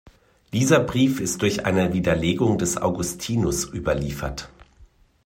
Dieser Brief ist durch eine Widerlegung des Augustinus überliefert.